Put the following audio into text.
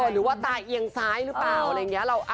หรือว่าตายเอียงซ้ายหรือเปล่า